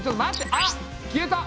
あっ消えた！